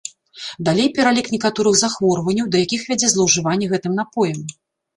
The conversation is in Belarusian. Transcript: Далей пералік некаторых захворванняў, да якіх вядзе злоўжыванне гэтым напоем.